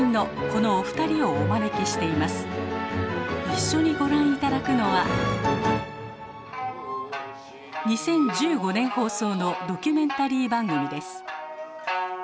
一緒にご覧頂くのは２０１５年放送のドキュメンタリー番組です